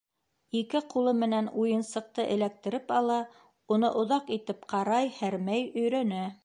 Ике ҡулы менән уйынсыҡты эләктереп ала, уны оҙаҡ итеп ҡарай, һәрмәй, өйрәнә.